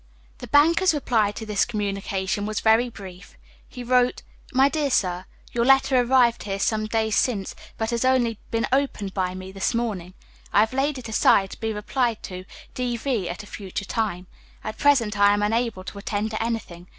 The banker's reply to this communication was very brief; he wrote: "MY DEAR SIR Your letter arrived here some days since, but has only been opened by me this morning. I have laid it aside, to be replied to, D.V., at a future time. At present I am unable to attend to anything.